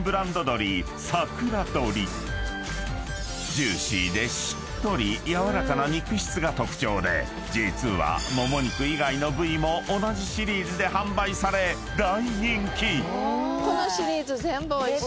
［ジューシーでしっとりやわらかな肉質が特徴で実はもも肉以外の部位も同じシリーズで販売され大人気！］